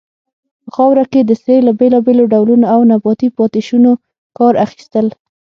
په خاوره کې د سرې له بیلابیلو ډولونو او نباتي پاتې شونو کار اخیستل.